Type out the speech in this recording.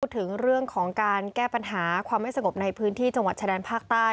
ถึงเรื่องของการแก้ปัญหาความไม่สงบในพื้นที่จังหวัดชายแดนภาคใต้